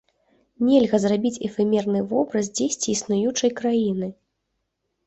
Нельга зрабіць эфемерны вобраз дзесьці існуючай краіны.